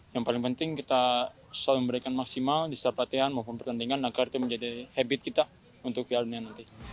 yang paling penting kita selalu memberikan maksimal besar pelatihan maupun pertandingan agar itu menjadi habit kita untuk piala dunia nanti